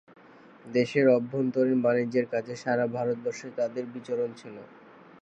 দেশের অভ্যন্তরীণ বাণিজ্যের কাজে সারা ভারতবর্ষে তাদের বিচরণ ছিল।